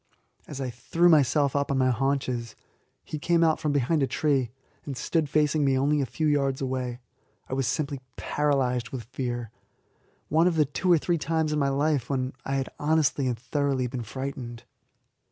As I threw myself up on my haunches, he came out from behind a tree, and stood facing me only a few yards away. I was simply paralyzed with fear one of the two or three times in my life when I have been honestly and thoroughly frightened.